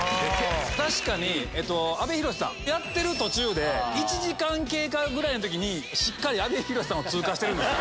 確かに阿部寛さん。やってる途中１時間経過ぐらいの時にしっかり阿部寛さんを通過してるんです。